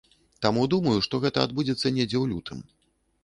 Таму думаю, што гэта адбудзецца недзе ў лютым.